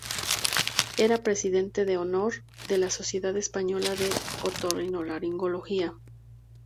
Era presidente de honor de la Sociedad Española de Otorrinolaringología.